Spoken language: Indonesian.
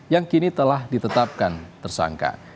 yang kini telah ditetapkan tersangka